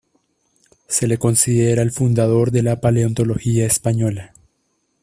Se le considera el fundador de la paleontología española.